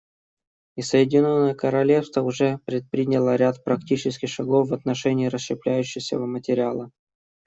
И Соединенное Королевство уже предприняло ряд практических шагов в отношении расщепляющегося материала.